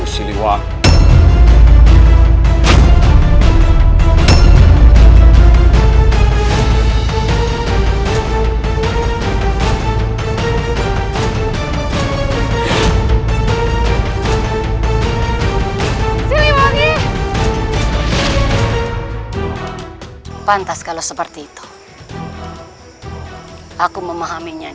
siapa kamu sebenarnya